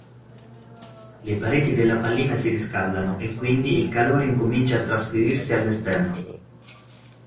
Le pareti della pallina si riscaldano e quindi il calore incomincia a trasferirsi all'esterno.